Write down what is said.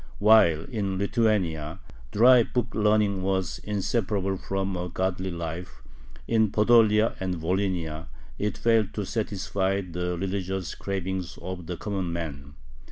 While in Lithuania dry book learning was inseparable from a godly life, in Podolia and Volhynia it failed to satisfy the religious cravings of the common man.